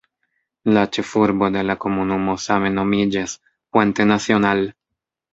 La ĉefurbo de la komunumo same nomiĝas "Puente Nacional".